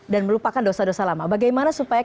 dan melupakan dosa dosa lama bagaimana supaya